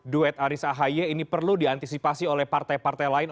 duet aris ahi ini perlu diantisipasi oleh partai partai lain